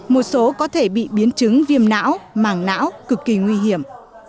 một số có thể bị biến chứng viêm não mảng não cực kỳ nguy hiểm